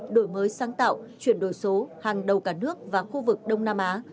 đổi mới sáng tạo chuyển đổi số hàng đầu cả nước và khu vực đông nam á